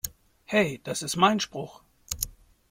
Hey, das ist mein Spruch!